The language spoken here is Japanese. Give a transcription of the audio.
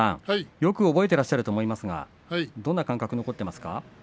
よく覚えてらっしゃると思いますが、どんな感覚残っていますか。